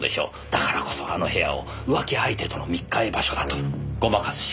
だからこそあの部屋を浮気相手との密会場所だとごまかすしかなかった。